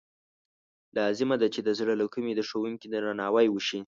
لازمه ده چې د زړه له کومې د ښوونکي درناوی وشي.